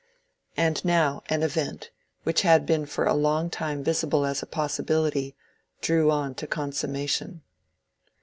] And now an event, which had for a long time been visible as a possibility, drew on to consummation.